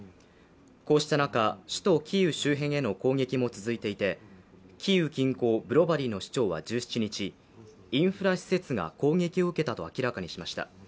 こうした中、首都キーウ周辺への攻撃も続いていて、キーウ近郊ブロバリーの市長は１７日インフラ施設が攻撃を受けたと明らかにしました。